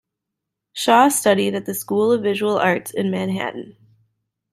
Shaw studied at the School of Visual Arts in Manhattan.